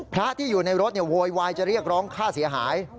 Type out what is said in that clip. พระที่อยู่ในรถโวยวายจะเรียกร้องค่าเสียหาย